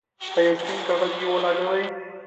په یو سپین کاغذ یې ولګوئ.